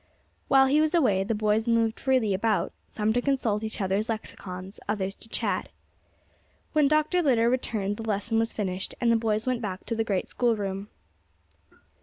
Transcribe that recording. While he was away the boys moved freely about, some to consult each other's lexicons, others to chat. When Dr. Litter returned the lesson was finished, and the boys went back to the great schoolroom.